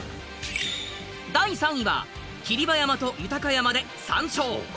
第３位は霧馬山と豊山で３勝。